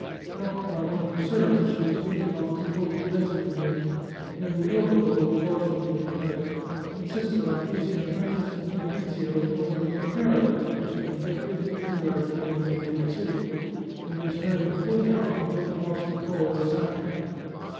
Helped by one of her servants, she was taking off his coat, to dress his wounds, when Ludovico, who fortunately was present, insisted on placing the duchess and Fabrizio in one of the little car riages, which had been kept hidden in a garden near the gate of the city, and they started full gallop to get across the Po at Sacca.